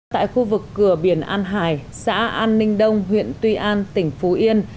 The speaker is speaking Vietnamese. tại khu vực cửa biển an hải xã an ninh đông huyện tuy an tỉnh phú yên